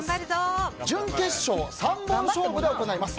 準決勝、３本勝負で行います。